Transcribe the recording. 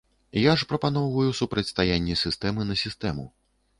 Я ж прапаноўваю супрацьстаянне сістэмы на сістэму.